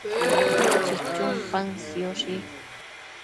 chichun paën sioshi